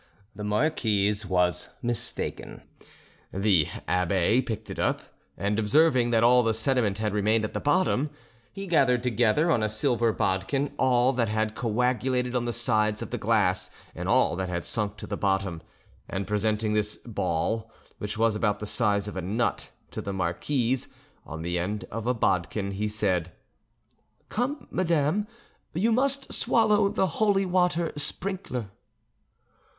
The marquise was mistaken: the abbe picked it up, and observing that all the sediment had remained at the bottom, he gathered together on a silver bodkin all that had coagulated on the sides of the glass and all that had sunk to the bottom, and presenting this ball, which was about the size of a nut, to the marquise, on the end of the bodkin, he said, "Come, madame, you must swallow the holy water sprinkler."